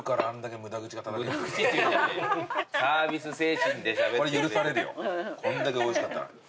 こんだけおいしかったら。